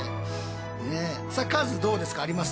さあカズどうですかあります？